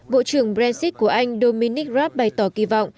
bộ trưởng brexit của anh dominic raab bày tỏ kỳ vọng